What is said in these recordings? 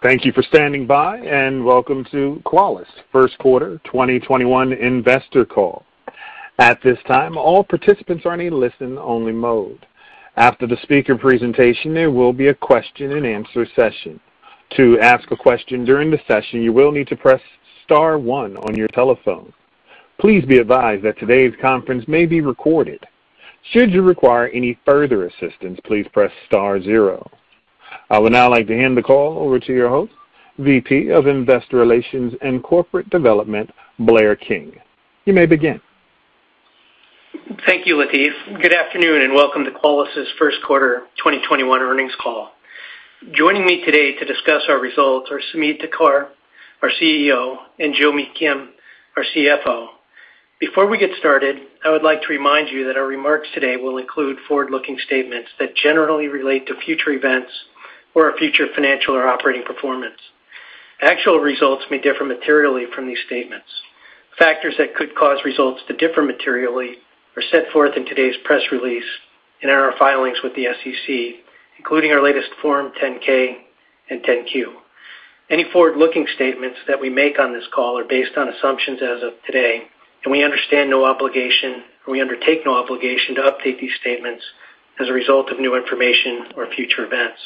Thank you for standing by, and welcome to Qualys' Q1 2021 Investor Call. At this time, all participants are in listen-only mode. After the speaker presentation, there will be a question and answer session. To ask a question during the session, you will need to press star one on your telephone. Please be advised that today's conference may be recorded. Should you require any further assistance, please press star zero. I would now like to hand the call over to your host, VP of Investor Relations and Corporate Development, Blair King. You may begin. Thank you, Lateef. Good afternoon and welcome to Qualys' Q1 2021 Earnings Call. Joining me today to discuss our results are Sumedh Thakar, our CEO, and Joo Mi Kim, our CFO. Before we get started, I would like to remind you that our remarks today will include forward-looking statements that generally relate to future events or our future financial or operating performance. Actual results may differ materially from these statements. Factors that could cause results to differ materially are set forth in today's press release and in our filings with the SEC, including our latest Form 10-K and 10-Q. Any forward-looking statements that we make on this call are based on assumptions as of today, and we undertake no obligation to update these statements as a result of new information or future events.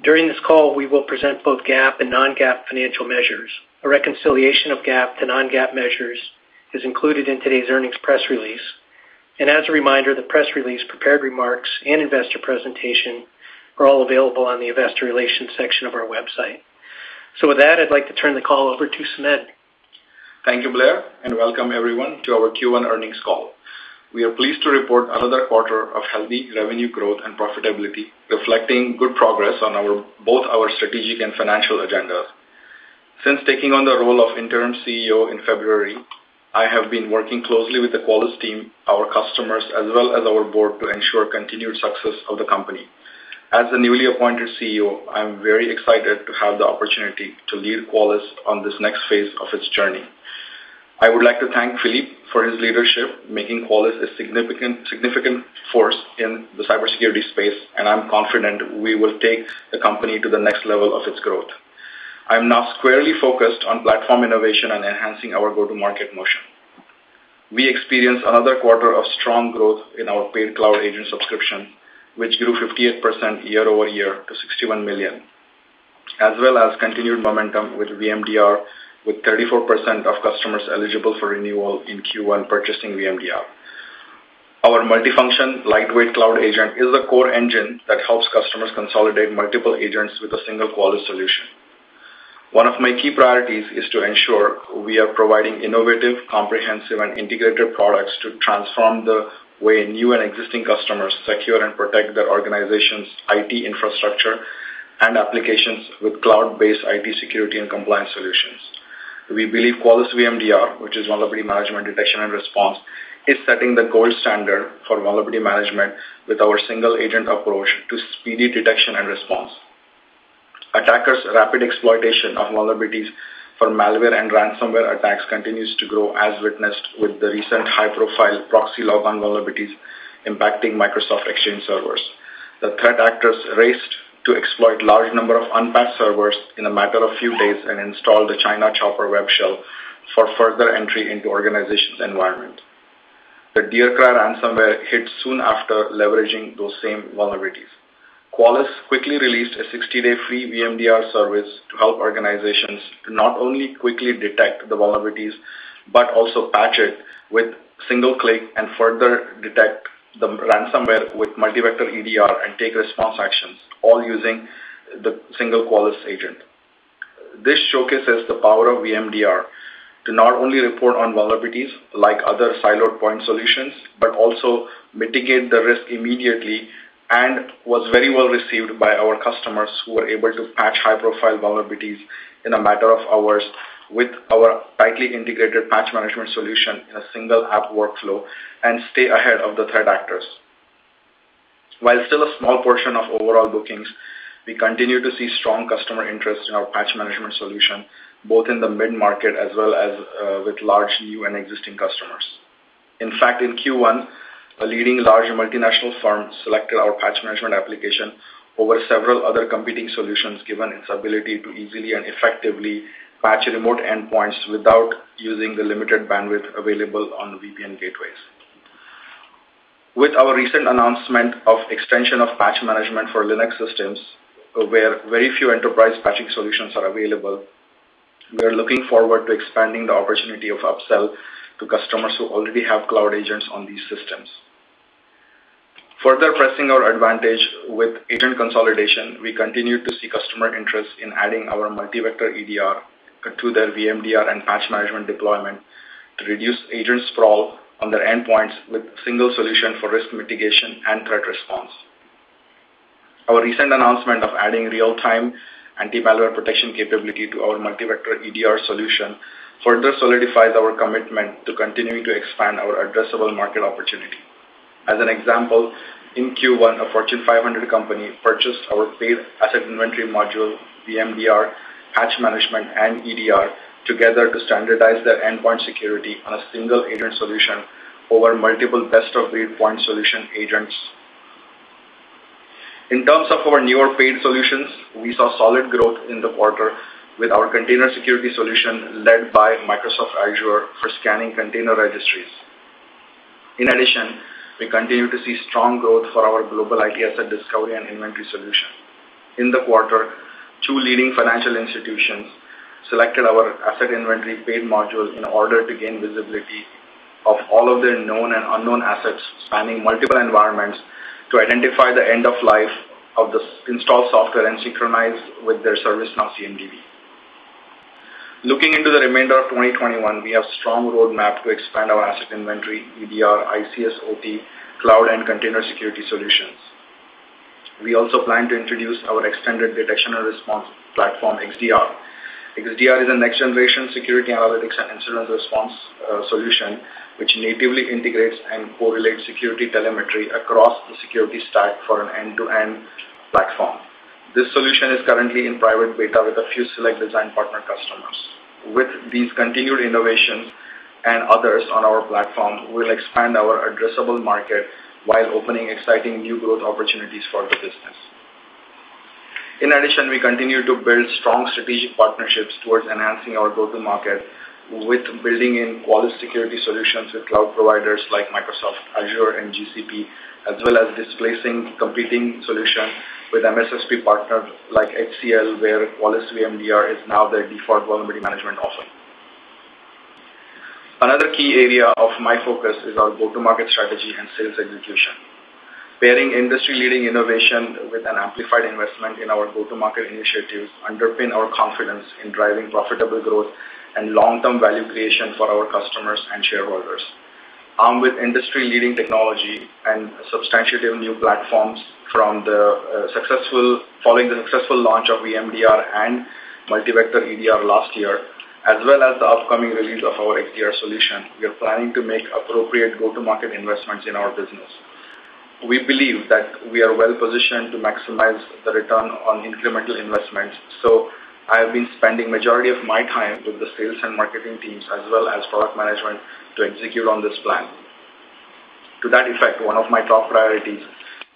During this call, we will present both GAAP and non-GAAP financial measures. A reconciliation of GAAP to non-GAAP measures is included in today's earnings press release. As a reminder, the press release prepared remarks and investor presentation are all available on the investor relations section of our website. With that, I'd like to turn the call over to Sumedh. Thank you, Blair, welcome everyone to our Q1 earnings call. We are pleased to report another quarter of healthy revenue growth and profitability, reflecting good progress on both our strategic and financial agendas. Since taking on the role of interim CEO in February, I have been working closely with the Qualys team, our customers, as well as our board to ensure continued success of the company. As the newly appointed CEO, I'm very excited to have the opportunity to lead Qualys on this next phase of its journey. I would like to thank Philippe for his leadership, making Qualys a significant force in the cybersecurity space. I'm confident we will take the company to the next level of its growth. I'm now squarely focused on platform innovation and enhancing our go-to-market motion. We experienced another quarter of strong growth in our paid Cloud Agent subscription, which grew 58% year-over-year to $61 million, as well as continued momentum with VMDR with 34% of customers eligible for renewal in Q1 purchasing VMDR. Our multifunction lightweight Cloud Agent is a core engine that helps customers consolidate multiple agents with a single Qualys solution. One of my key priorities is to ensure we are providing innovative, comprehensive, and integrated products to transform the way new and existing customers secure and protect their organization's IT infrastructure and applications with cloud-based IT security and compliance solutions. We believe Qualys VMDR, which is Vulnerability Management Detection and Response, is setting the gold standard for vulnerability management with our single-agent approach to speedy detection and response. Attackers' rapid exploitation of vulnerabilities for malware and ransomware attacks continues to grow, as witnessed with the recent high-profile ProxyLogon vulnerabilities impacting Microsoft Exchange servers. The threat actors raced to exploit large number of unpatched servers in a matter of few days and installed the China Chopper web shell for further entry into organizations' environment. The DearCry ransomware hit soon after leveraging those same vulnerabilities. Qualys quickly released a 60-day free VMDR service to help organizations to not only quickly detect the vulnerabilities but also patch it with single click and further detect the ransomware with multi-vector EDR and take response actions, all using the single Qualys agent. This showcases the power of VMDR to not only report on vulnerabilities like other siloed point solutions, but also mitigate the risk immediately and was very well received by our customers who were able to patch high-profile vulnerabilities in a matter of hours with our tightly integrated Patch Management solution in a single app workflow and stay ahead of the threat actors. While still a small portion of overall bookings, we continue to see strong customer interest in our Patch Management solution, both in the mid-market as well as with large new and existing customers. In fact, in Q1, a leading large multinational firm selected our Patch Management application over several other competing solutions given its ability to easily and effectively patch remote endpoints without using the limited bandwidth available on VPN gateways. With our recent announcement of extension of Patch Management for Linux systems, where very few enterprise patching solutions are available, we're looking forward to expanding the opportunity of upsell to customers who already have Cloud Agents on these systems. Further pressing our advantage with agent consolidation, we continue to see customer interest in adding our Multi-Vector EDR to their VMDR and Patch Management deployment to reduce agent sprawl on their endpoints with single solution for risk mitigation and threat response. Our recent announcement of adding real-time anti-malware protection capability to our Multi-Vector EDR solution further solidifies our commitment to continuing to expand our addressable market opportunity. As an example, in Q1, a Fortune 500 company purchased our paid asset inventory module, VMDR, patch management, and EDR together to standardize their endpoint security on a single-agent solution over multiple best-of-breed point solution agents. In terms of our newer paid solutions, we saw solid growth in the quarter with our container security solution led by Microsoft Azure for scanning container registries. In addition, we continue to see strong growth for our global IT asset discovery and inventory solution. In the quarter, two leading financial institutions selected our asset inventory paid modules in order to gain visibility of all of their known and unknown assets spanning multiple environments to identify the end of life of the installed software and synchronize with their ServiceNow CMDB. Looking into the remainder of 2021, we have strong roadmap to expand our asset inventory, EDR, ICS/OT, cloud and container security solutions. We also plan to introduce our extended detection and response platform, XDR. XDR is a next-generation security analytics and incident response solution which natively integrates and correlates security telemetry across the security stack for an end-to-end platform. This solution is currently in private beta with a few select design partner customers. With these continued innovations and others on our platform, we'll expand our addressable market while opening exciting new growth opportunities for the business. We continue to build strong strategic partnerships towards enhancing our go-to-market with building in Qualys security solutions with cloud providers like Microsoft Azure and GCP, as well as displacing competing solution with MSSP partners like HCL, where Qualys VMDR is now their default vulnerability management offering. Another key area of my focus is our go-to-market strategy and sales execution. Bearing industry-leading innovation with an amplified investment in our go-to-market initiatives underpin our confidence in driving profitable growth and long-term value creation for our customers and shareholders. Armed with industry-leading technology and substantive new platforms following the successful launch of VMDR and Multi-Vector EDR last year, as well as the upcoming release of our XDR solution, we are planning to make appropriate go-to-market investments in our business. We believe that we are well-positioned to maximize the return on incremental investments, I have been spending majority of my time with the sales and marketing teams as well as product management to execute on this plan. To that effect, one of my top priorities,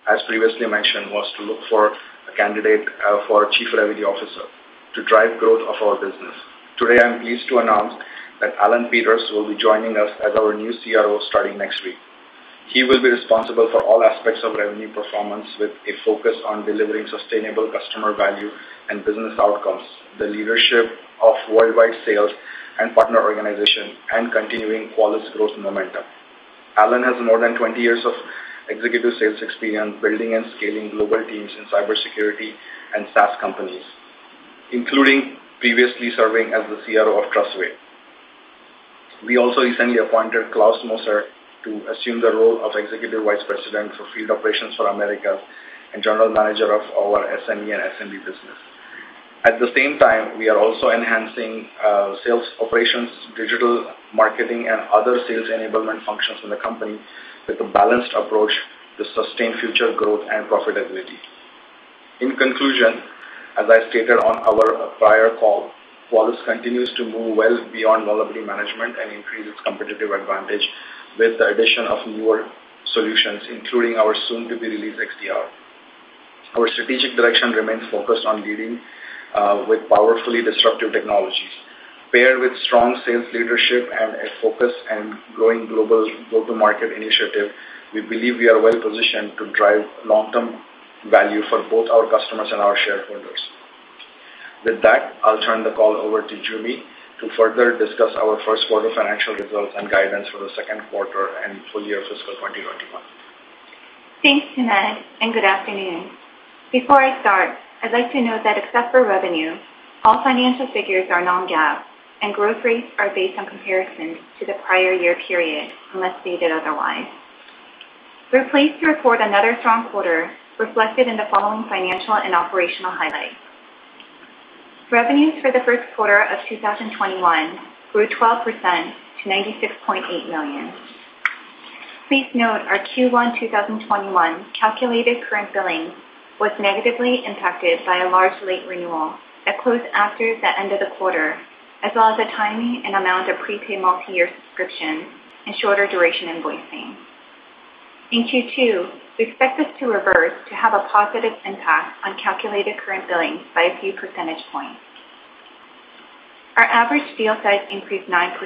as previously mentioned, was to look for a candidate for Chief Revenue Officer to drive growth of our business. Today, I'm pleased to announce that Allan Peters will be joining us as our new CRO starting next week. He will be responsible for all aspects of revenue performance, with a focus on delivering sustainable customer value and business outcomes, the leadership of worldwide sales and partner organization, and continuing Qualys' growth momentum. Allan has more than 20 years of executive sales experience building and scaling global teams in cybersecurity and SaaS companies, including previously serving as the CRO of Trustwave. We also recently appointed Klaus Moser to assume the role of Executive Vice President for Field Operations for Americas and General Manager of our SME and SMB business. At the same time, we are also enhancing sales operations, digital marketing, and other sales enablement functions in the company with a balanced approach to sustain future growth and profitability. In conclusion, as I stated on our prior call, Qualys continues to move well beyond vulnerability management and increase its competitive advantage with the addition of newer solutions, including our soon-to-be-released XDR. Our strategic direction remains focused on leading with powerfully disruptive technologies. Paired with strong sales leadership and a focus and growing global go-to-market initiative, we believe we are well-positioned to drive long-term value for both our customers and our shareholders. With that, I'll turn the call over to Joo Mi to further discuss our Q1 financial results and guidance for the Q2 and full year of fiscal 2021. Thanks, Sumedh, and good afternoon. Before I start, I'd like to note that except for revenue, all financial figures are non-GAAP, and growth rates are based on comparisons to the prior year period, unless stated otherwise. We're pleased to report another strong quarter reflected in the following financial and operational highlights. Revenues for the Q1 of 2021 grew 12% to $96.8 million. Please note our Q1 2021 calculated current billing was negatively impacted by a large late renewal that closed after the end of the quarter, as well as the timing and amount of prepaid multi-year subscription and shorter duration invoicing. In Q2, we expect this to reverse to have a positive impact on calculated current billing by a few percentage points. Our average deal size increased 9%.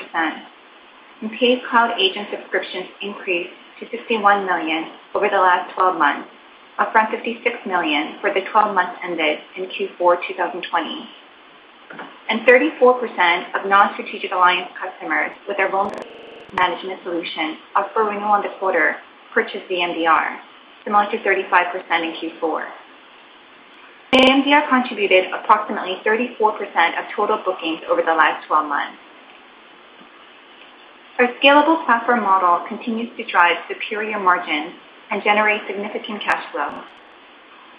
Paid Cloud Agent subscriptions increased to $51 million over the last 12 months, up from $56 million for the 12 months ended in Q4 2020. 34% of non-strategic alliance customers with their vulnerability management solution up for renewal in the quarter purchased VMDR, similar to 35% in Q4. VMDR contributed approximately 34% of total bookings over the last 12 months. Our scalable platform model continues to drive superior margins and generate significant cash flow.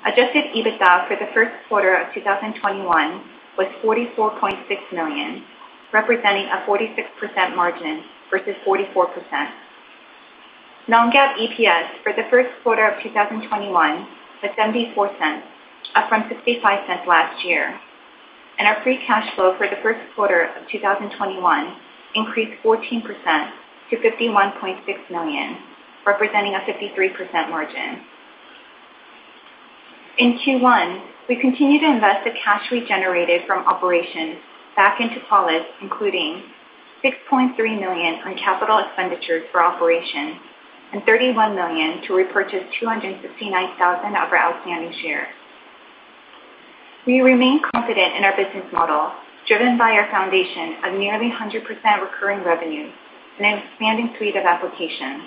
Adjusted EBITDA for the Q1 of 2021 was $44.6 million, representing a 46% margin versus 44%. Non-GAAP EPS for the Q1 of 2021 was $0.74, up from $0.65 last year. Our free cash flow for the Q1 of 2021 increased 14% to $51.6 million, representing a 53% margin. In Q1, we continued to invest the cash we generated from operations back into Qualys, including $6.3 million on capital expenditures for operations and $31 million to repurchase 269,000 of our outstanding shares. We remain confident in our business model, driven by our foundation of nearly 100% recurring revenues and an expanding suite of applications.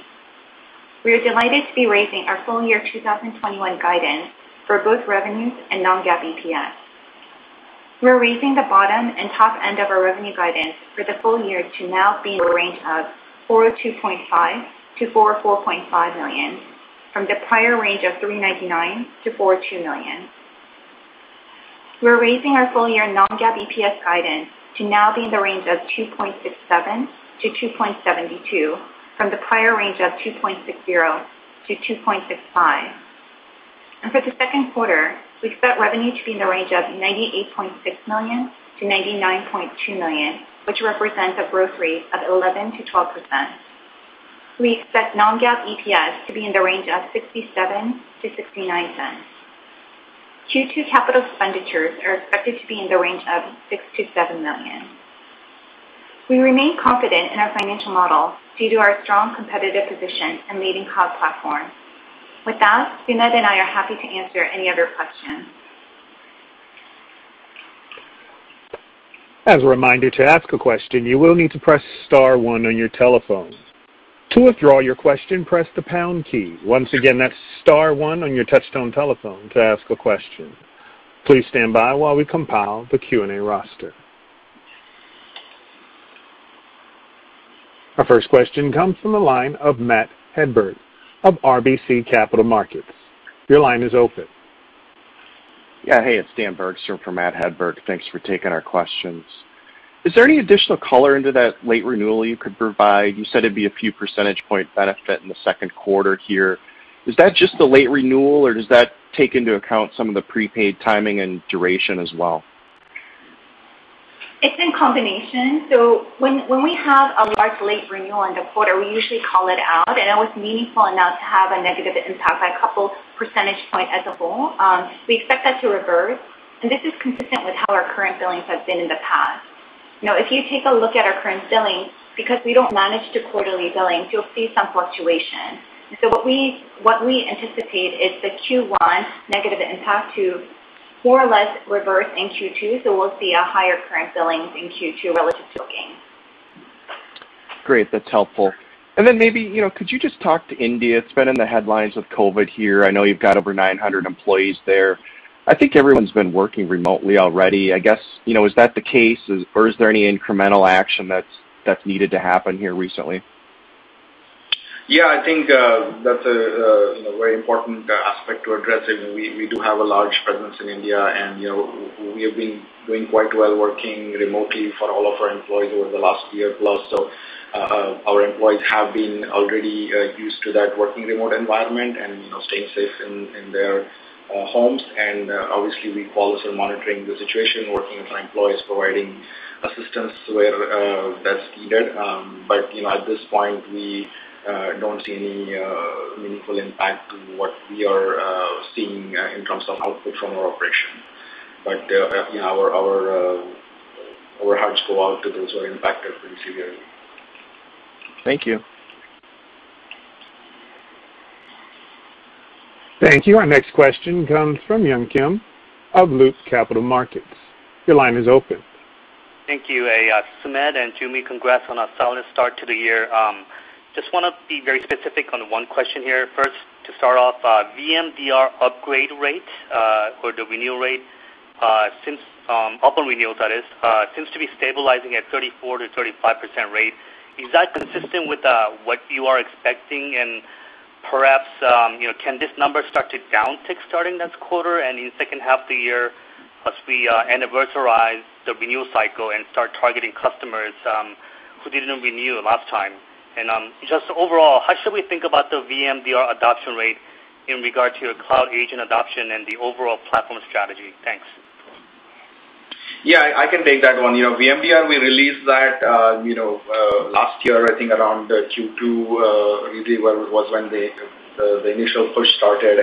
We are delighted to be raising our full year 2021 guidance for both revenues and non-GAAP EPS. We are raising the bottom and top end of our revenue guidance for the full year to now be in the range of $402.5 million-$404.5 million, from the prior range of $399 million-$402 million. We are raising our full-year non-GAAP EPS guidance to now be in the range of $2.67-$2.72 from the prior range of $2.60-$2.65. For the Q2, we expect revenue to be in the range of $98.6 million-$99.2 million, which represents a growth rate of 11%-12%. We expect Non-GAAP EPS to be in the range of $0.67-$0.69. Q2 capital expenditures are expected to be in the range of $6 million-$7 million. We remain confident in our financial model due to our strong competitive position and leading cloud platform. With that, Sumedh and I are happy to answer any of your questions. Our first question comes from the line of Matthew Hedberg of RBC Capital Markets. Your line is open. Hey, it's Dan Bergstrom for Matthew Hedberg. Thanks for taking our questions. Is there any additional color into that late renewal you could provide? You said it'd be a few percentage point benefit in the Q2 here. Is that just the late renewal, or does that take into account some of the prepaid timing and duration as well? It's in combination. When we have a large late renewal in the quarter, we usually call it out, and it was meaningful enough to have a negative impact by a couple percentage point as a whole. We expect that to reverse, and this is consistent with how our current billings have been in the past. Now, if you take a look at our current billings, because we don't manage the quarterly billings, you'll see some fluctuation. What we anticipate is the Q1 negative impact to more or less reverse in Q2, so we'll see a higher current billings in Q2 relative to gain. Great. That's helpful. Maybe, could you just talk to India? It's been in the headlines with COVID here. I know you've got over 900 employees there. I think everyone's been working remotely already. I guess, is that the case, or is there any incremental action that's needed to happen here recently? Yeah, I think that's a very important aspect to address. We do have a large presence in India, and we have been doing quite well working remotely for all of our employees over the last year plus. Our employees have been already used to that working remote environment and staying safe in their homes. Obviously, we Qualys are monitoring the situation, working with our employees, providing assistance where that's needed. At this point, we don't see any meaningful impact to what we are seeing in terms of output from our operation. Our hearts go out to those who are impacted pretty severely. Thank you. Thank you. Our next question comes from Yun Kim of Loop Capital Markets. Your line is open. Thank you. Sumedh and Joo Mi, congrats on a solid start to the year. Just want to be very specific on one question here. First, to start off, VMDR upgrade rate, or the renewal rate, since open renewals, that is, seems to be stabilizing at 34%-35% rate. Is that consistent with what you are expecting? Perhaps, can this number start to downtick starting this quarter and in second half of the year as we anniversarize the renewal cycle and start targeting customers who didn't renew last time? Just overall, how should we think about the VMDR adoption rate in regard to your Cloud Agent adoption and the overall platform strategy? Thanks. I can take that one. VMDR, we released that last year, I think around Q2 really was when the initial push started.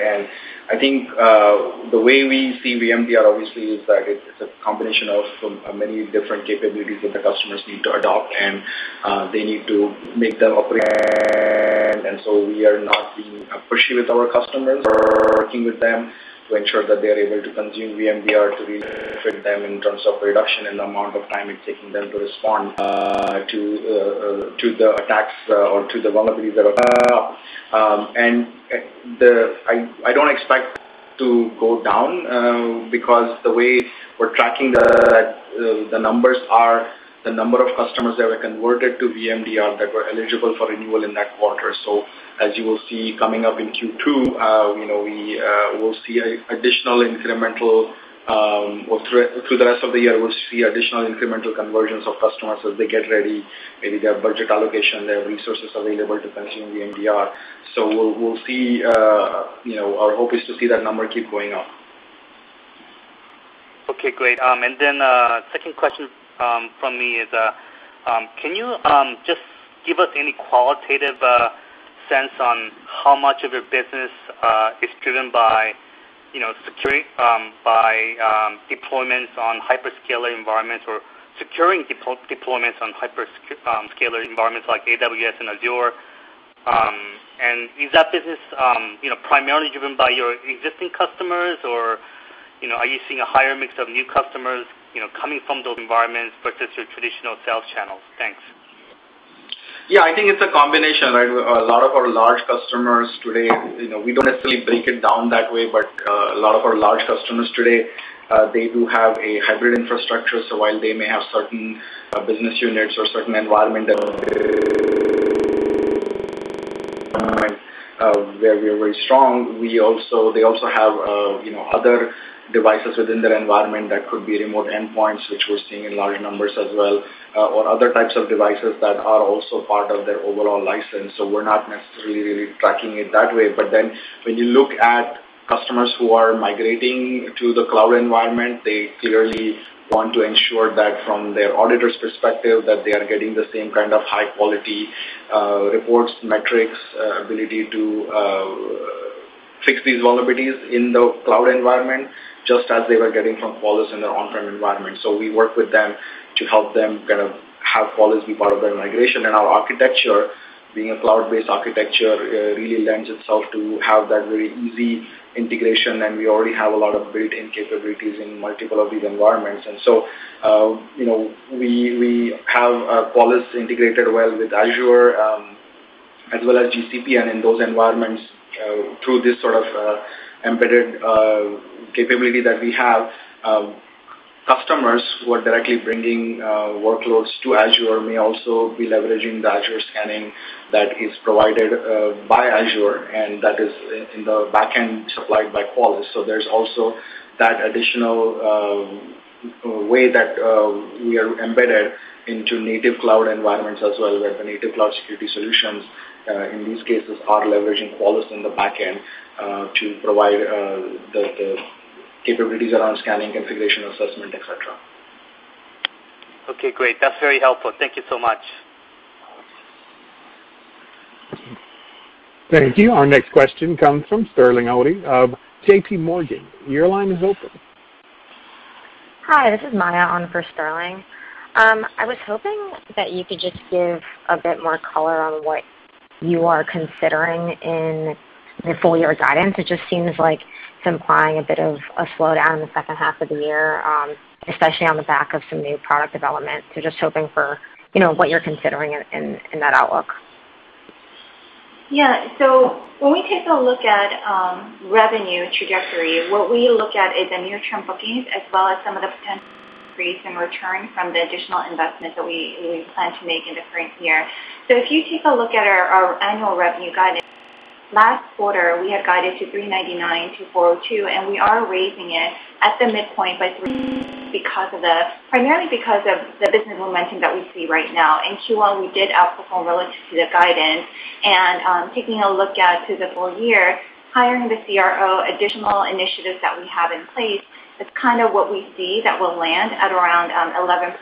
I think the way we see VMDR, obviously, is that it's a combination of many different capabilities that the customers need to adopt, and they need to make them operational. We are not being pushy with our customers. We're working with them to ensure that they are able to consume VMDR to benefit them in terms of reduction in the amount of time it's taking them to respond to the attacks or to the vulnerabilities that are out there. I don't expect that to go down because the way we're tracking that, the numbers are the number of customers that were converted to VMDR that were eligible for renewal in that quarter. As you will see coming up in Q2, we will see additional incremental conversions of customers as they get ready, maybe their budget allocation, their resources available to consume VMDR. Our hope is to see that number keep going up. Okay, great. Then second question from me is, can you just give us any qualitative sense on how much of your business is driven by security, by deployments on hyperscaler environments, or securing deployments on hyperscaler environments like AWS and Azure? Is that business primarily driven by your existing customers, or are you seeing a higher mix of new customers coming from those environments versus your traditional sales channels? Thanks. Yeah, I think it's a combination, right? A lot of our large customers today, we don't necessarily break it down that way, but a lot of our large customers today, they do have a hybrid infrastructure. While they may have certain business units or certain environment where we are very strong, they also have other devices within their environment that could be remote endpoints, which we're seeing in large numbers as well, or other types of devices that are also part of their overall license. We're not necessarily really tracking it that way. When you look at customers who are migrating to the cloud environment, they clearly want to ensure that from their auditor's perspective, that they are getting the same kind of high-quality reports, metrics, ability to fix these vulnerabilities in the cloud environment, just as they were getting from Qualys in their on-prem environment. We work with them to help them kind of have Qualys be part of their migration. Our architecture, being a cloud-based architecture, really lends itself to have that very easy integration, and we already have a lot of built-in capabilities in multiple of these environments. We have Qualys integrated well with Azure, as well as GCP, and in those environments through this sort of embedded capability that we have. Customers who are directly bringing workloads to Azure may also be leveraging the Azure scanning that is provided by Azure, and that is in the back end supplied by Qualys. There's also that additional way that we are embedded into native cloud environments as well, where the native cloud security solutions, in these cases, are leveraging Qualys in the back end, to provide the capabilities around scanning, configuration assessment, et cetera. Okay, great. That's very helpful. Thank you so much. Thank you. Our next question comes from Sterling Auty of JPMorgan. Hi, this is Maya on for Sterling. I was hoping that you could just give a bit more color on what you are considering in your full year guidance. It just seems like it's implying a bit of a slowdown in the second half of the year, especially on the back of some new product development. Just hoping for what you're considering in that outlook. Yeah. When we take a look at revenue trajectory, what we look at is the near-term bookings as well as some of the potential increase in return from the additional investments that we plan to make in the current year. If you take a look at our annual revenue guidance, last quarter, we had guided to $399 million-$402 million, and we are raising it at the midpoint by $3 million primarily because of the business momentum that we see right now. In Q1, we did outperform relative to the guidance. Taking a look out to the full year, hiring the CRO, additional initiatives that we have in place, it's kind of what we see that will land at around 11%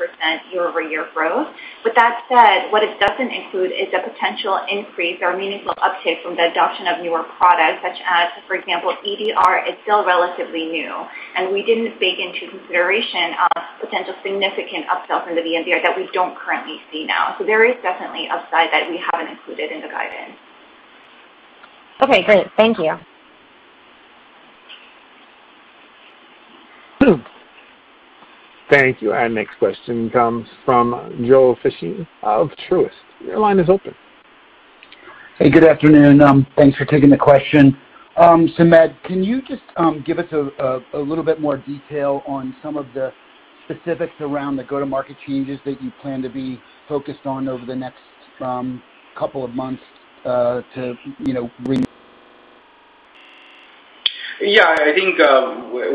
year-over-year growth. With that said, what it doesn't include is the potential increase or meaningful uptick from the adoption of newer products such as, for example, EDR is still relatively new, and we didn't take into consideration potential significant upsells into VMDR that we don't currently see now. There is definitely upside that we haven't included in the guidance. Okay, great. Thank you. Thank you. Our next question comes from Joel Fishbein of Truist. Your line is open. Hey, good afternoon. Thanks for taking the question. Sumedh, can you just give us a little bit more detail on some of the specifics around the go-to-market changes that you plan to be focused on over the next couple of months to bring? I think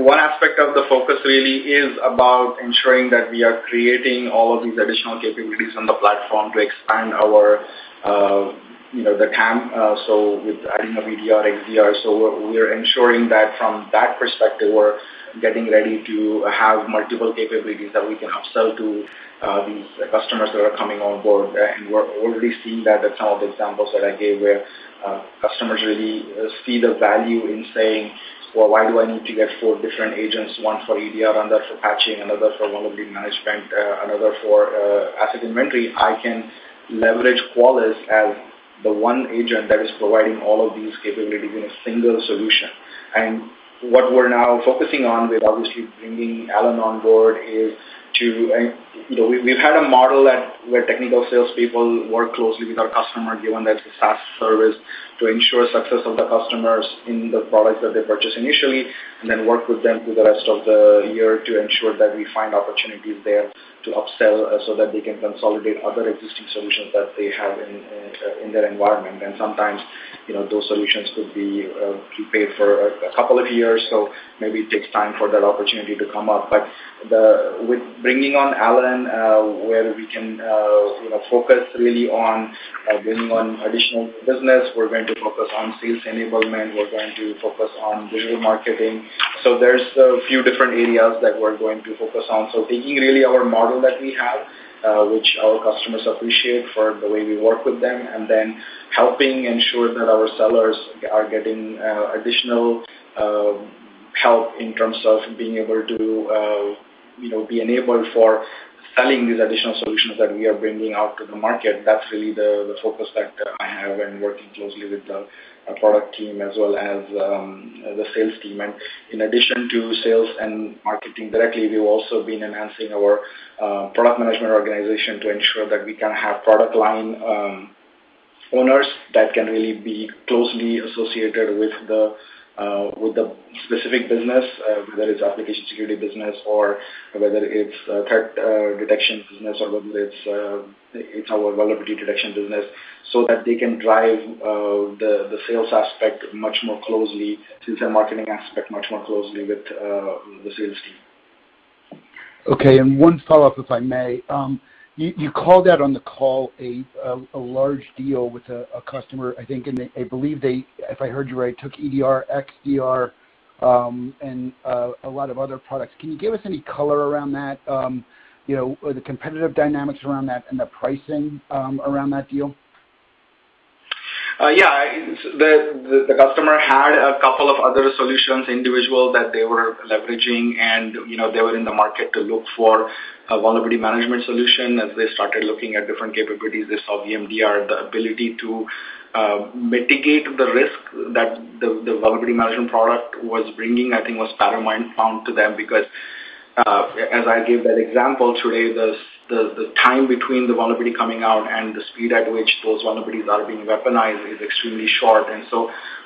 one aspect of the focus really is about ensuring that we are creating all of these additional capabilities on the platform to expand our TAM. With adding a EDR, XDR, we're ensuring that from that perspective, we're getting ready to have multiple capabilities that we can upsell to these customers that are coming on board. We're already seeing that with some of the examples that I gave where customers really see the value in saying, "Well, why do I need to get four different agents, one for EDR, another for patching, another for vulnerability management, another for asset inventory? I can leverage Qualys as the one agent that is providing all of these capabilities in a single solution. What we're now focusing on with obviously bringing Allan on board. We've had a model where technical salespeople work closely with our customer, given that it's a SaaS service, to ensure success of the customers in the products that they purchase initially, and then work with them through the rest of the year to ensure that we find opportunities there to upsell so that they can consolidate other existing solutions that they have in their environment. Sometimes, those solutions could be paid for a couple of years, so maybe it takes time for that opportunity to come up. With bringing on Allan where we can focus really on bringing on additional business. We're going to focus on sales enablement. We're going to focus on digital marketing. There's a few different areas that we're going to focus on. Taking really our model that we have which our customers appreciate for the way we work with them, and then helping ensure that our sellers are getting additional help in terms of being able for selling these additional solutions that we are bringing out to the market. That's really the focus that I have and working closely with the product team as well as the sales team. In addition to sales and marketing directly, we've also been enhancing our product management organization to ensure that we can have product line owners that can really be closely associated with the specific business whether it's application security business or whether it's a threat detection business or whether it's our vulnerability detection business so that they can drive the sales aspect much more closely to the marketing aspect, much more closely with the sales team. Okay. One follow-up, if I may. You called out on the call a large deal with a customer, I think, and I believe they, if I heard you right, took EDR, XDR, and a lot of other products. Can you give us any color around that? The competitive dynamics around that and the pricing around that deal? Yeah. The customer had a couple of other solutions, individual, that they were leveraging and they were in the market to look for a vulnerability management solution. As they started looking at different capabilities, they saw VMDR. The ability to mitigate the risk that the vulnerability management product was bringing, I think, was paramount to them because as I gave that example today, the time between the vulnerability coming out and the speed at which those vulnerabilities are being weaponized is extremely short.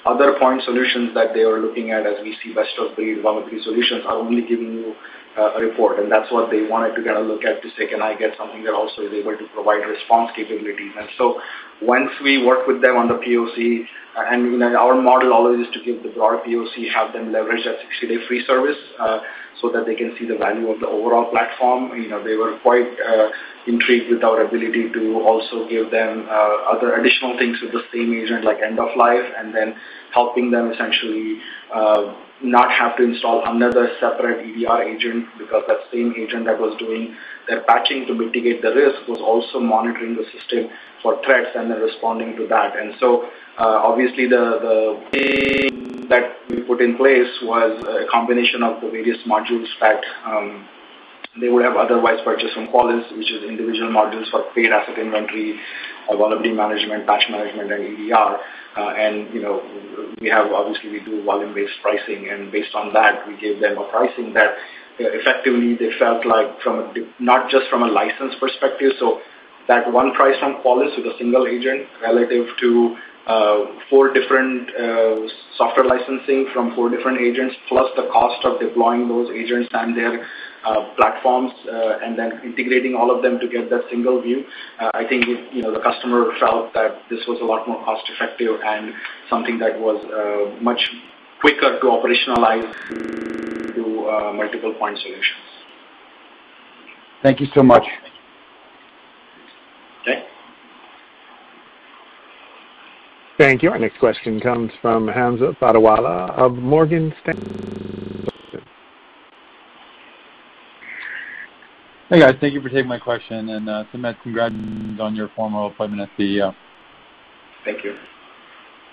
Other point solutions that they were looking at, as we see best-of-breed vulnerability solutions, are only giving you a report. That's what they wanted to get a look at to say, "Can I get something that also is able to provide response capabilities?" Once we worked with them on the POC, and our model always is to give the broad POC, have them leverage that 60-day free service so that they can see the value of the overall platform. They were quite intrigued with our ability to also give them other additional things with the same agent, like end of life, and then helping them essentially not have to install another separate EDR agent because that same agent that was doing their patching to mitigate the risk was also monitoring the system for threats and then responding to that. Obviously the thing that we put in place was a combination of the various modules that they would have otherwise purchased from Qualys, which is individual modules for paid asset inventory, vulnerability management, patch management, and EDR. Obviously we do volume-based pricing, and based on that, we gave them a pricing that effectively they felt like not just from a license perspective. That one price from Qualys with a single agent relative to four different software licensing from four different agents, plus the cost of deploying those agents and their platforms, and then integrating all of them to get that single view. I think the customer felt that this was a lot more cost-effective and something that was much quicker to operationalize to multiple point solutions. Thank you so much. Okay. Thank you. Our next question comes from Hamza Fodderwala of Morgan Stanley. Hey, guys, thank you for taking my question. Sumedh, congrats on your formal appointment as CEO. Thank you.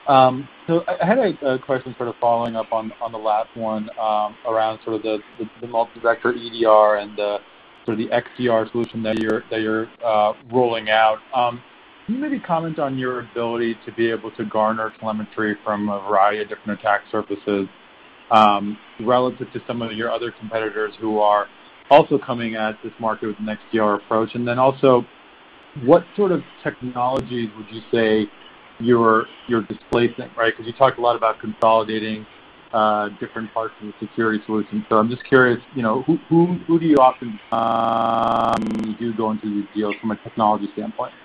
I had a question sort of following up on the last one around sort of the multi-vector EDR and the sort of XDR solution that you're rolling out. Can you maybe comment on your ability to be able to garner telemetry from a variety of different attack surfaces relative to some of your other competitors who are also coming at this market with an XDR approach? What sort of technologies would you say you're displacing, right? Because you talked a lot about consolidating different parts of the security solution. I'm just curious, When you do go into these deals from a technology standpoint? Yeah,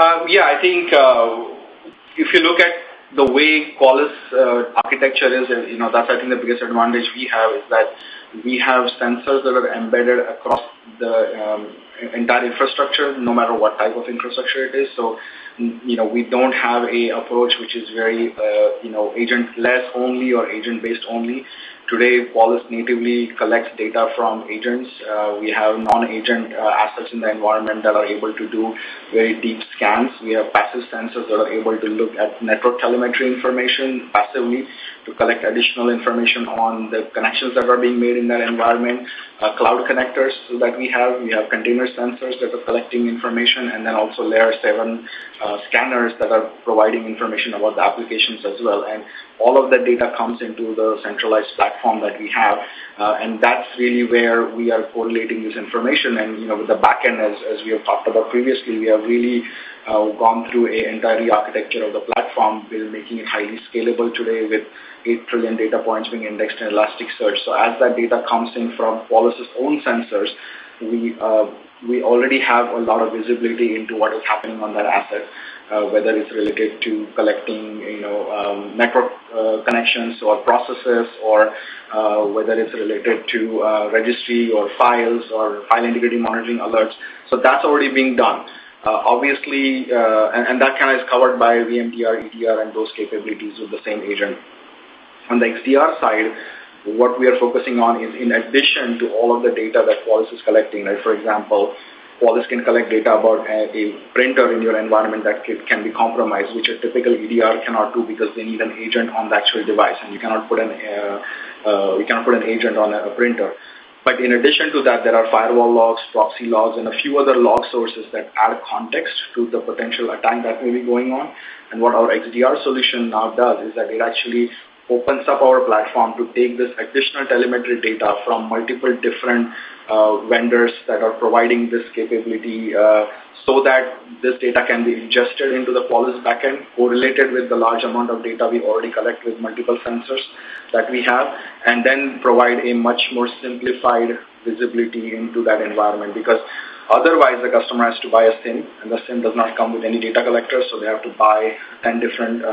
I think if you look at the way Qualys architecture is, that's I think the biggest advantage we have is that we have sensors that are embedded across the entire infrastructure, no matter what type of infrastructure it is. We don't have an approach which is very agentless only or agent-based only. Today, Qualys natively collects data from agents. We have non-agent assets in the environment that are able to do very deep scans. We have passive sensors that are able to look at network telemetry information passively to collect additional information on the connections that are being made in that environment. Cloud connectors that we have. We have container sensors that are collecting information, and then also layer seven scanners that are providing information about the applications as well. All of that data comes into the centralized platform that we have. That's really where we are correlating this information. With the back end, as we have talked about previously, we have really gone through an entire rearchitecture of the platform. We're making it highly scalable today with 8 trillion data points being indexed in Elasticsearch. As that data comes in from Qualys' own sensors, we already have a lot of visibility into what is happening on that asset whether it's related to collecting network connections or processes or whether it's related to registry or files or file integrity monitoring alerts. That's already being done. That kind of is covered by VMDR, EDR, and those capabilities with the same agent. On the XDR side, what we are focusing on is in addition to all of the data that Qualys is collecting, for example, Qualys can collect data about a printer in your environment that can be compromised, which a typical EDR cannot do because they need an agent on the actual device, and we cannot put an agent on a printer. In addition to that, there are firewall logs, proxy logs, and a few other log sources that add context to the potential attack that may be going on. What our XDR solution now does is that it actually opens up our platform to take this additional telemetry data from multiple different vendors that are providing this capability so that this data can be ingested into the Qualys backend, correlated with the large amount of data we already collect with multiple sensors that we have, and then provide a much more simplified visibility into that environment. Because otherwise, the customer has to buy a SIEM, and the SIEM does not come with any data collectors, so they have to buy ten different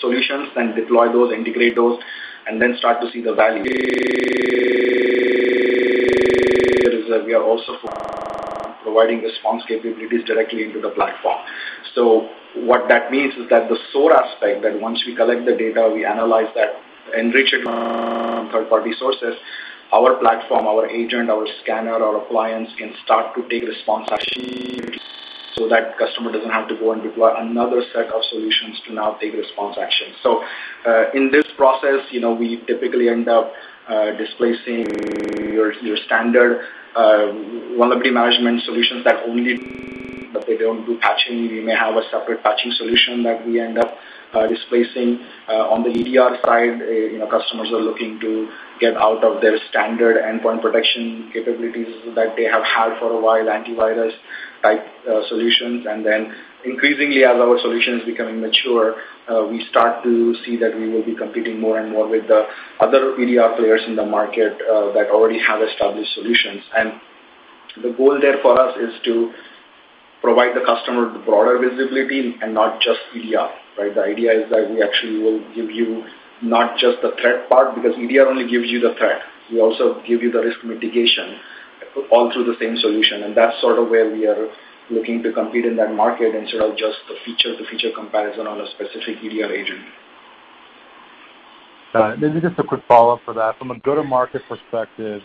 solutions, then deploy those, integrate those, and then start to see the value. Here is that we are also providing response capabilities directly into the platform. What that means is that the SOAR aspect, that once we collect the data, we analyze that, enrich it from third-party sources, our platform, our agent, our scanner, our appliance can start to take response action so that customer doesn't have to go and deploy another set of solutions to now take response action. In this process, we typically end up displacing your standard vulnerability management solutions that they don't do patching. We may have a separate patching solution that we end up displacing. On the EDR side, customers are looking to get out of their standard endpoint protection capabilities that they have had for a while, antivirus-type solutions. Increasingly, as our solution is becoming mature, we start to see that we will be competing more and more with the other EDR players in the market that already have established solutions. The goal there for us is to provide the customer the broader visibility and not just EDR, right. The idea is that we actually will give you not just the threat part, because EDR only gives you the threat. We also give you the risk mitigation all through the same solution, and that's sort of where we are looking to compete in that market instead of just the feature-to-feature comparison on a specific EDR agent. This is just a quick follow-up for that. From a go-to-market perspective,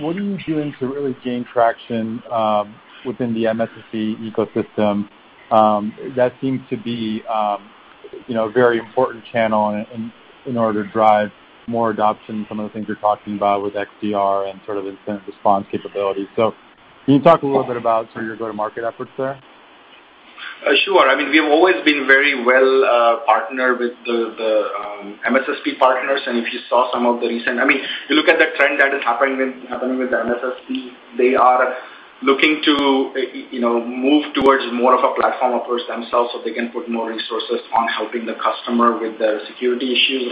what are you doing to really gain traction within the MSSP ecosystem? That seems to be a very important channel in order to drive more adoption, some of the things you're talking about with XDR and incident response capabilities. Can you talk a little bit about your go-to-market efforts there? Sure. I mean, we have always been very well partnered with the MSSP partners. You look at the trend that is happening with MSSP, they are looking to move towards more of a platform approach themselves so they can put more resources on helping the customer with their security issues.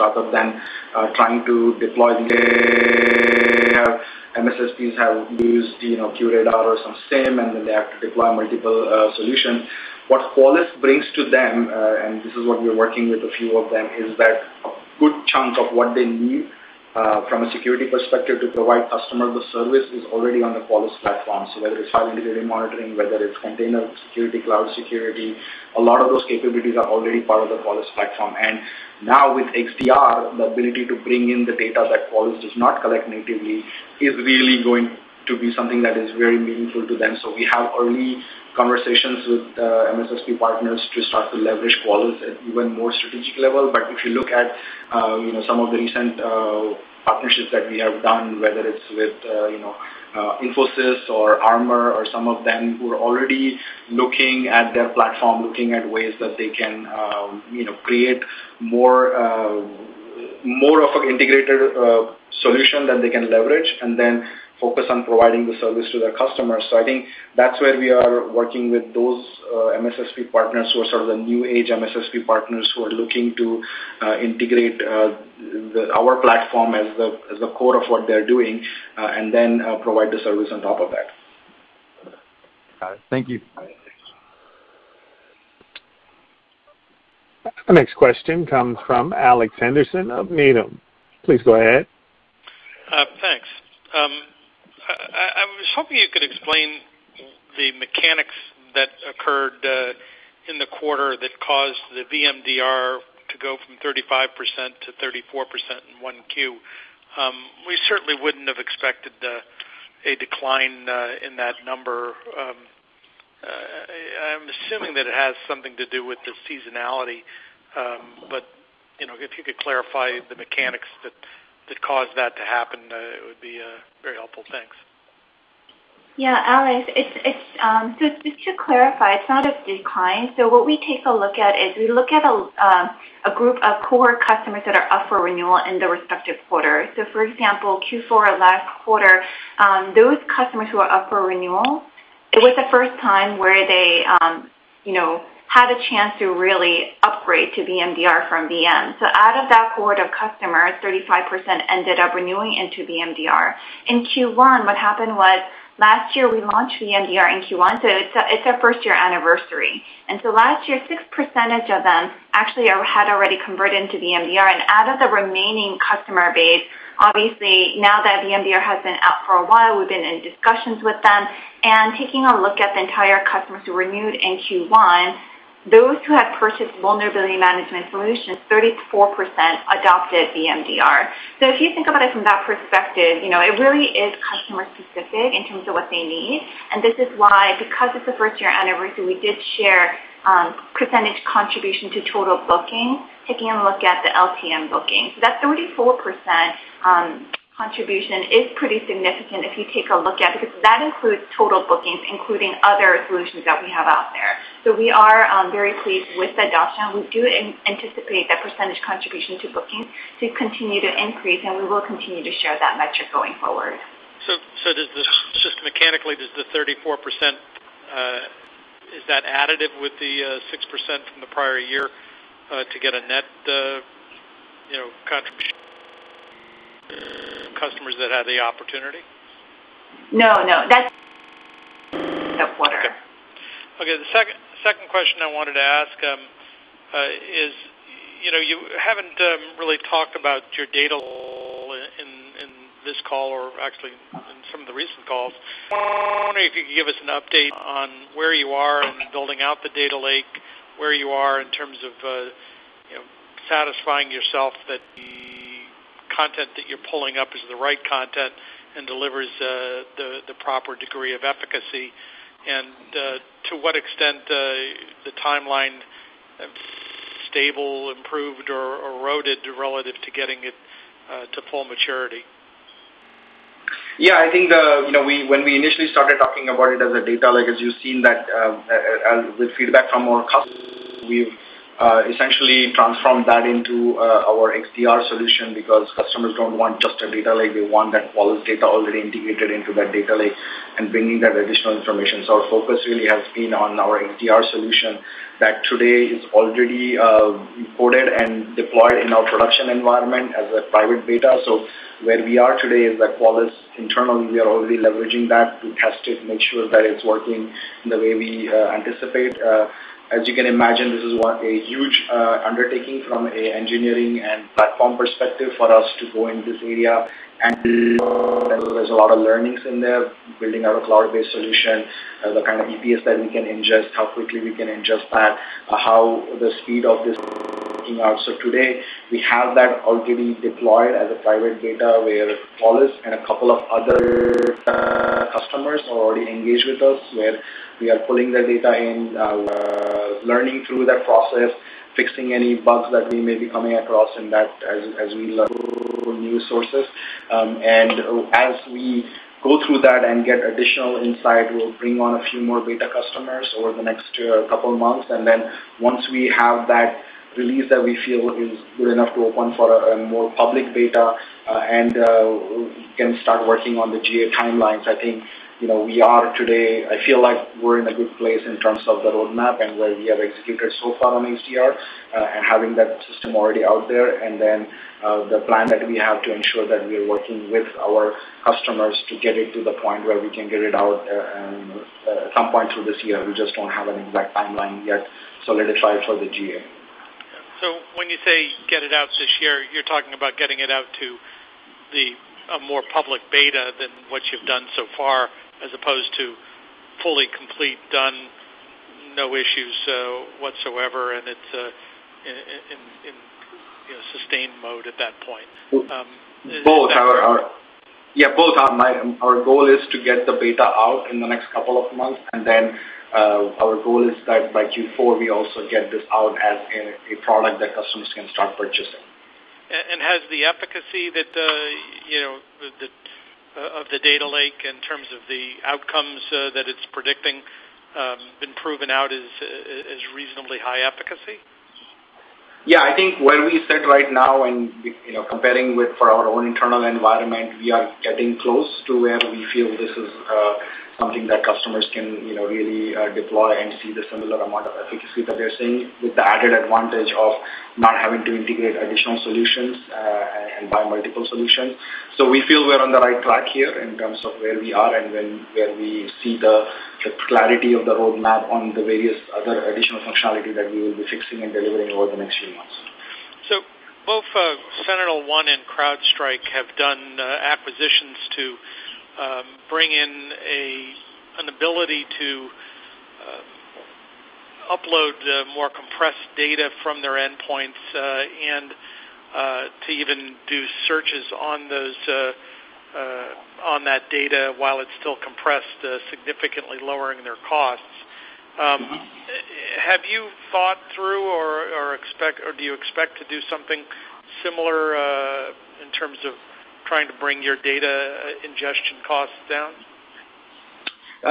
MSSPs have used QRadar or some SIEM, and then they have to deploy multiple solutions. What Qualys brings to them, and this is what we're working with a few of them, is that a good chunk of what they need from a security perspective to provide customer the service is already on the Qualys platform. Whether it's file integrity monitoring, whether it's container security, cloud security, a lot of those capabilities are already part of the Qualys platform. Now with XDR, the ability to bring in the data that Qualys does not collect natively is really going to be something that is very meaningful to them. We have early conversations with MSSP partners to start to leverage Qualys at even more strategic level. If you look at some of the recent partnerships that we have done, whether it's with Infosys or Armor or some of them who are already looking at their platform, looking at ways that they can create more of an integrated solution that they can leverage and then focus on providing the service to their customers. I think that's where we are working with those MSSP partners who are sort of the new age MSSP partners who are looking to integrate our platform as the core of what they're doing, and then provide the service on top of that. Got it. Thank you. The next question comes from Alex Henderson of Needham. Please go ahead. Thanks. I was hoping you could explain the mechanics that occurred in the quarter that caused the VMDR to go from 35% to 34% in 1 Q. We certainly wouldn't have expected a decline in that number. I'm assuming that it has something to do with the seasonality, but if you could clarify the mechanics that caused that to happen, it would be very helpful. Thanks. Yeah, Alex, just to clarify, it's not a decline. What we take a look at is we look at a group of core customers that are up for renewal in the respective quarter. For example, Q4, last quarter, those customers who are up for renewal, it was the first time where they had a chance to really upgrade to VMDR from VM. Out of that cohort of customers, 35% ended up renewing into VMDR. In Q1, what happened was last year, we launched VMDR in Q1, it's our first-year anniversary. Last year, 6% of them actually had already converted to VMDR. Out of the remaining customer base, obviously, now that VMDR has been out for a while, we've been in discussions with them. Taking a look at the entire customers who renewed in Q1, those who have purchased vulnerability management solutions, 34% adopted VMDR. If you think about it from that perspective, it really is customer specific in terms of what they need, and this is why, because it's the first year anniversary, we did share percentage contribution to total booking, taking a look at the LTM booking. That 34% contribution is pretty significant if you take a look at it, because that includes total bookings, including other solutions that we have out there. We are very pleased with the adoption. We do anticipate that percentage contribution to bookings to continue to increase, and we will continue to share that metric going forward. Just mechanically, does the 34%, is that additive with the 6% from the prior year, to get a net contribution customers that have the opportunity? No, that's quarter. Okay. The second question I wanted to ask is, you haven't really talked about your data in this call or actually in some of the recent calls. I wonder if you could give us an update on where you are in building out the data lake, where you are in terms of satisfying yourself that the content that you're pulling up is the right content and delivers the proper degree of efficacy, and to what extent the timeline stable, improved or eroded relative to getting it to full maturity. I think when we initially started talking about it as a data lake, as you've seen that with feedback from our customers, we've essentially transformed that into our XDR solution because customers don't want just a data lake. They want that Qualys data already integrated into that data lake and bringing that additional information. Our focus really has been on our XDR solution that today is already coded and deployed in our production environment as a private beta. Where we are today is that Qualys internally, we are already leveraging that to test it, make sure that it's working in the way we anticipate. As you can imagine, this is a huge undertaking from an engineering and platform perspective for us to go in this area and there is a lot of learnings in there, building out a cloud-based solution, the kind of EPS that we can ingest, how quickly we can ingest that, how the speed of this working out. Today, we have that already deployed as a private data where Qualys and a couple of other customers are already engaged with us, where we are pulling the data in, learning through that process, fixing any bugs that we may be coming across in that as we learn new sources. As we go through that and get additional insight, we will bring on a few more beta customers over the next couple of months. Once we have that release that we feel is good enough to open for a more public beta and we can start working on the GA timelines. I think we are today, I feel like we're in a good place in terms of the roadmap and where we have executed so far on XDR, and having that system already out there. The plan that we have to ensure that we are working with our customers to get it to the point where we can get it out at some point through this year. We just don't have an exact timeline yet. Let it try for the GA. When you say get it out this year, you're talking about getting it out to the more public beta than what you've done so far, as opposed to fully complete, done, no issues whatsoever, and it's in sustained mode at that point. Both. Our goal is to get the beta out in the next couple of months, and then, our goal is that by Q4, we also get this out as a product that customers can start purchasing. Has the efficacy of the data lake in terms of the outcomes that it's predicting, been proven out as reasonably high efficacy? I think where we sit right now and comparing with our own internal environment, we are getting close to where we feel this is something that customers can really deploy and see the similar amount of efficacy that they're seeing with the added advantage of not having to integrate additional solutions and buy multiple solutions. We feel we're on the right track here in terms of where we are and where we see the clarity of the roadmap on the various other additional functionality that we will be fixing and delivering over the next few months. Both SentinelOne and CrowdStrike have done acquisitions to bring in an ability to upload more compressed data from their endpoints, and to even do searches on that data while it's still compressed, significantly lowering their costs. Have you thought through or do you expect to do something similar, in terms of trying to bring your data ingestion costs down?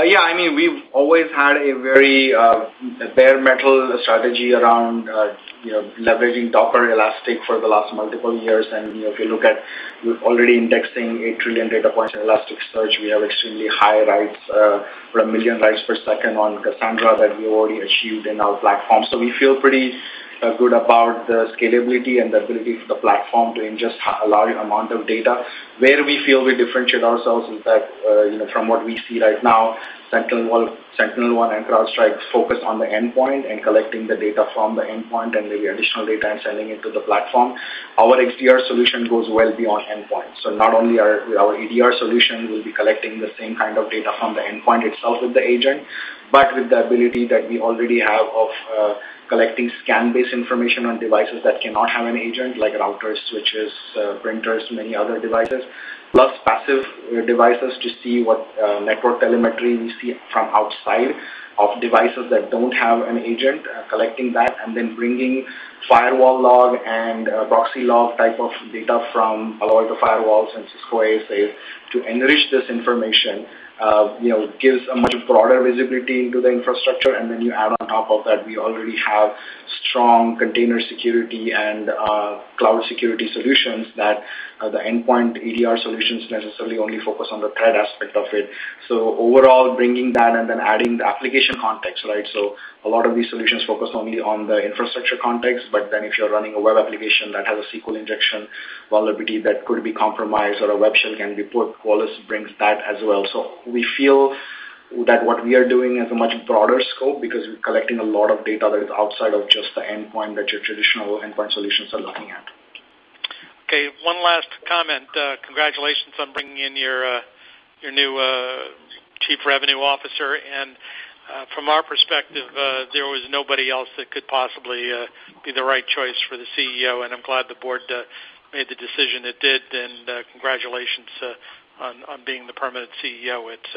Yeah, we've always had a very bare metal strategy around leveraging Docker, Elastic for the last multiple years. If you look at, we're already indexing a trillion data points in Elasticsearch. We have extremely high writes, a million writes per second on Cassandra that we already achieved in our platform. We feel pretty good about the scalability and the ability for the platform to ingest a large amount of data. Where we feel we differentiate ourselves is that, from what we see right now, SentinelOne and CrowdStrike focus on the endpoint and collecting the data from the endpoint and the additional data and sending it to the platform. Our XDR solution goes well beyond endpoint. Not only our EDR solution will be collecting the same kind of data from the endpoint itself with the agent, but with the ability that we already have of collecting scan-based information on devices that cannot have an agent, like routers, switches, printers, many other devices, plus passive devices to see what network telemetry we see from outside of devices that don't have an agent, collecting that and then bringing firewall log and proxy log type of data from a lot of the firewalls and Cisco ASA to enrich this information, gives a much broader visibility into the infrastructure. You add on top of that, we already have strong container security and cloud security solutions that the endpoint EDR solutions necessarily only focus on the threat aspect of it. Overall, bringing that and then adding the application context. A lot of these solutions focus only on the infrastructure context, but then if you're running a web application that has a SQL injection vulnerability that could be compromised or a web shell can be put, Qualys brings that as well. We feel that what we are doing is a much broader scope because we're collecting a lot of data that is outside of just the endpoint that your traditional endpoint solutions are looking at. Okay, one last comment. Congratulations on bringing in your new Chief Revenue Officer. From our perspective, there was nobody else that could possibly be the right choice for the CEO, and I'm glad the board made the decision it did. Congratulations on being the permanent CEO. It's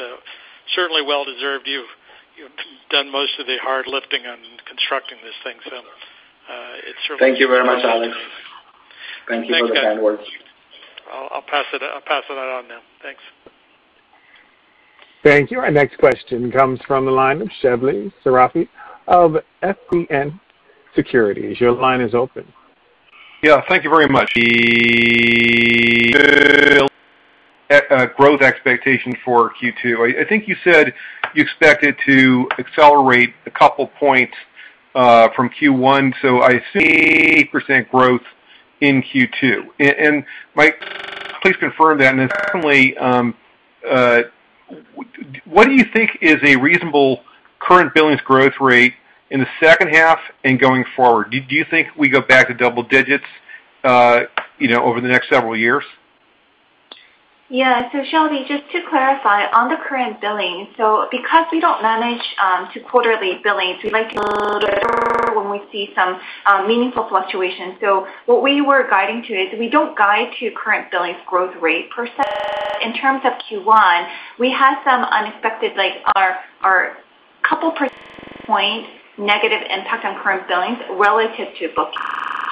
certainly well-deserved. You've done most of the hard lifting on constructing this thing, so it's certainly. Thank you very much, Alex. Thank you for the kind words. I'll pass it on now. Thanks. Thank you. Our next question comes from the line of Shebly Seyrafi of FBN Securities. Your line is open. Yeah, thank you very much. The growth expectation for Q2. I think you said you expected to accelerate a couple points from Q1, so I assume percent growth in Q2. Mike, please confirm that. Secondly, what do you think is a reasonable current billings growth rate in the second half and going forward? Do you think we go back to double digits over the next several years? Shebly, just to clarify on the current billing, because we don't manage to quarterly billings, we like to when we see some meaningful fluctuation. What we were guiding to is we don't guide to current billings growth rate %. In terms of Q1, we had some unexpected, like our couple percent point negative impact on current billings relative to bookings.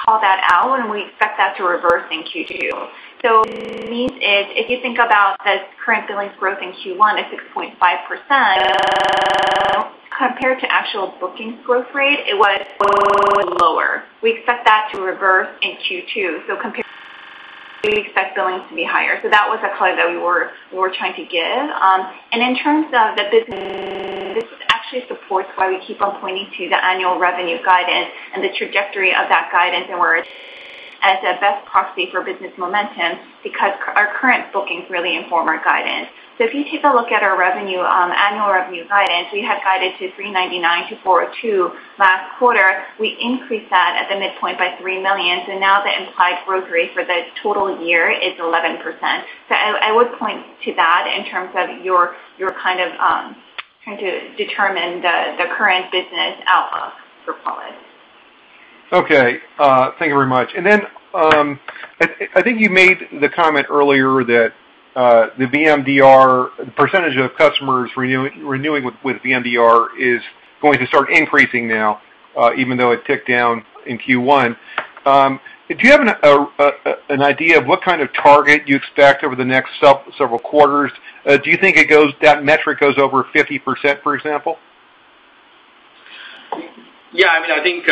Call that out. We expect that to reverse in Q2. What this means is, if you think about the current billings growth in Q1 at 6.5%, compared to actual bookings growth rate, it was lower. We expect that to reverse in Q2. Compared, we expect billings to be higher. That was a color that we were trying to give. In terms of the business, this actually supports why we keep on pointing to the annual revenue guidance and the trajectory of that guidance and where it's at best proxy for business momentum because our current bookings really inform our guidance. If you take a look at our annual revenue guidance, we had guided to $399 million-$402 million last quarter. We increased that at the midpoint by $3 million, so now the implied growth rate for the total year is 11%. I would point to that in terms of your kind of trying to determine the current business outlook for Qualys. Okay. Thank you very much. I think you made the comment earlier that the VMDR percentage of customers renewing with VMDR is going to start increasing now, even though it ticked down in Q1. Do you have an idea of what kind of target you expect over the next several quarters? Do you think that metric goes over 50%, for example? I think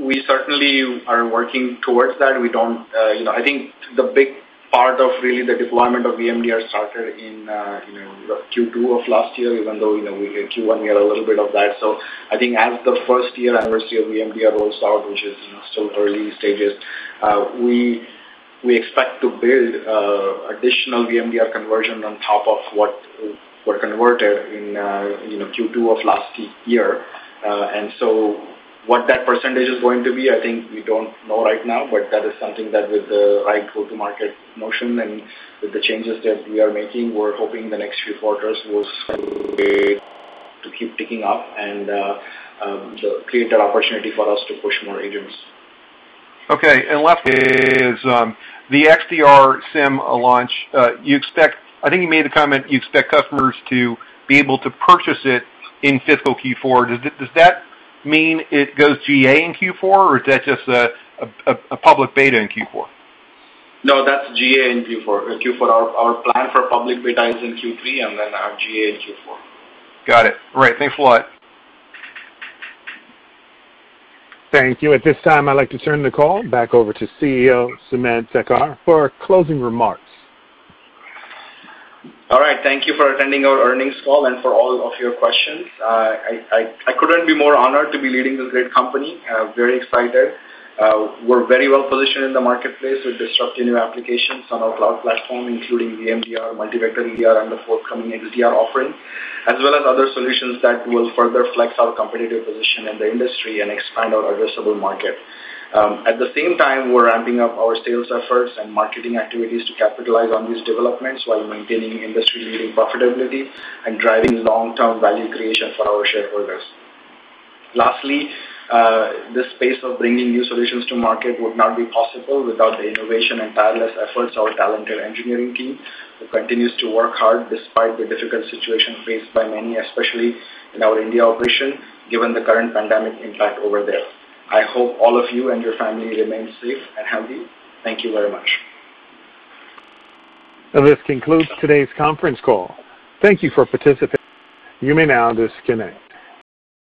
we certainly are working towards that. The big part of really the deployment of VMDR started in Q2 of last year, even though in Q1, we had a little bit of that. As the first year anniversary of VMDR rolls out, which is still early stages, we expect to build additional VMDR conversion on top of what converted in Q2 of last year. What that percentage is going to be, I think we don't know right now, but that is something that with the right go-to-market motion and with the changes that we are making, we're hoping the next few quarters will keep ticking up and create that opportunity for us to push more agents. Okay. Last is, the XDR SIEM launch. I think you made the comment, you expect customers to be able to purchase it in fiscal Q4. Does that mean it goes GA in Q4, or is that just a public beta in Q4? No, that's GA in Q4. Our plan for public beta is in Q3 and then our GA in Q4. Got it. All right. Thanks a lot. Thank you. At this time, I'd like to turn the call back over to CEO Sumedh Thakar for closing remarks. All right. Thank you for attending our earnings call and for all of your questions. I couldn't be more honored to be leading this great company. Very excited. We're very well positioned in the marketplace with disruptive new applications on our cloud platform, including VMDR, Multi-Vector EDR, and the forthcoming XDR offering, as well as other solutions that will further flex our competitive position in the industry and expand our addressable market. At the same time, we're ramping up our sales efforts and marketing activities to capitalize on these developments while maintaining industry-leading profitability and driving long-term value creation for our shareholders. Lastly, this space of bringing new solutions to market would not be possible without the innovation and tireless efforts of our talented engineering team, who continues to work hard despite the difficult situation faced by many, especially in our India operation, given the current pandemic impact over there. I hope all of you and your family remain safe and healthy. Thank you very much. This concludes today's conference call. Thank you for participating. You may now disconnect.